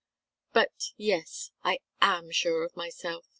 But yes I am sure of myself!"